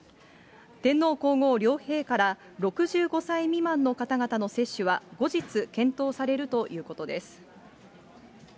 天皇皇后両陛下ら、６５歳未満の方々の接種は後日検討されるということです。